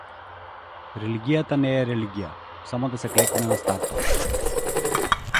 Религијата не е религија - само да се клекне на стартот.